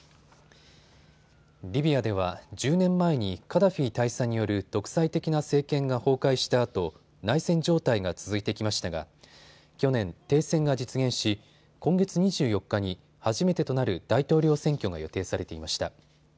リビアでは１０年前にカダフィ大佐による独裁的な政権が崩壊したあと内戦状態が続いてきましたが去年、停戦が実現し今月２４日に初めてとなる大統領選挙が予定されていました。